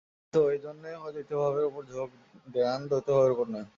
বেদান্ত এইজন্যই অদ্বৈতভাবের উপর ঝোঁক দেন, দ্বৈতভাবের উপর নয়।